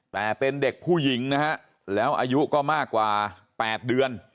แต่เป็นเด็กผู้หญิงนะฮะแล้วอายุก็มากกว่า๘เดือน